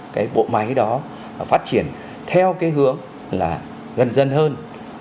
cái bộ máy đó phát triển theo cái hướng là gần dân hơn